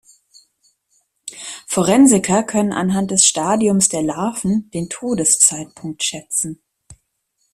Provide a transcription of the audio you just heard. Forensiker können anhand des Stadiums der Larven den Todeszeitpunkt schätzen.